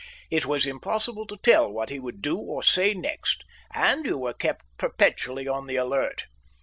It was impossible to tell what he would do or say next, and you were kept perpetually on the alert.